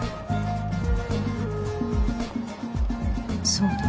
「そうだ。」